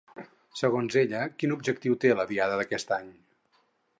Segons ella, quin objectiu té la Diada d'aquest any?